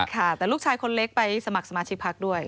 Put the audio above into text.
ค่ะแต่ลูกชายคนเล็กไปสมัครสมาชิกพักด้วย